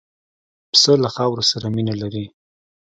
پسه له خاورو سره مینه لري.